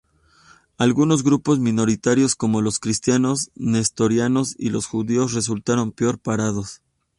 Algunos grupos minoritarios, como los cristianos nestorianos y los judíos resultaron peor parados.